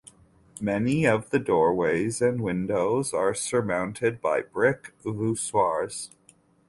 Many of the doorways and windows are surmounted by brick voussoirs.